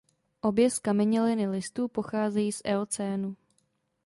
Obě zkameněliny listů pocházejí z Eocénu.